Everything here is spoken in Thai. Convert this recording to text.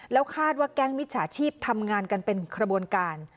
แล้วคาดว่าแก๊งมิจฉาชีพทำงานกันเป็นขบวนการ